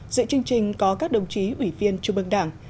dựa chương trình có các đồng chí ủy viên trung ương đảng